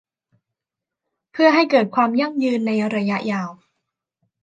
เพื่อให้เกิดความยั่งยืนในระยะยาว